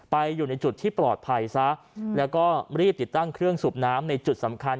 อยู่ในจุดที่ปลอดภัยซะแล้วก็รีบติดตั้งเครื่องสูบน้ำในจุดสำคัญ